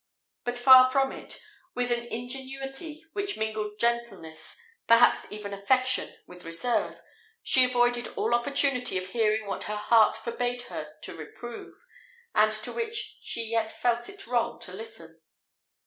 But far from it; with an ingenuity, which mingled gentleness, perhaps even affection, with reserve, she avoided all opportunity of hearing what her heart forbade her to reprove, and to which she yet felt it wrong to listen.